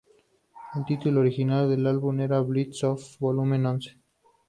El título original del álbum era "Blast Off, Volume One".